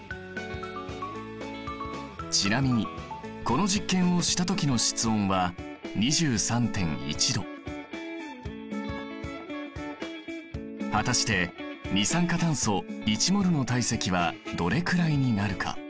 ちなみにこの実験をしたときの室温は果たして二酸化炭素１ｍｏｌの体積はどれくらいになるか？